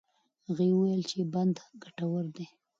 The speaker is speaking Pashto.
هغه وویل چې بند ګټور دی.